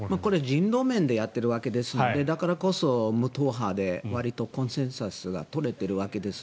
人道面でやっているわけでだからこそ無党派でわりとコンセンサスが取れてるわけです。